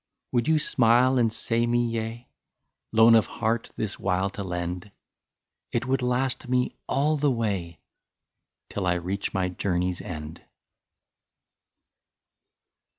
Would you smile and say me yea, — Loan of heart this while to lend, — It would last me all the way. Till I reach my journey's end.